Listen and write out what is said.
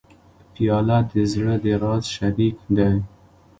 پیاله د زړه د راز شریک دی.